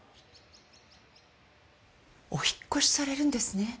お引っ越しされるんですね。